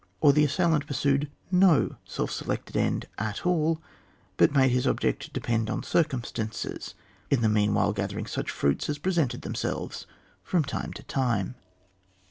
Or the assailant pursued no self selected end at all, but made his object depend on cir cumstances, in the meanwhile gathering such fruits as presented themselves £rom time to time.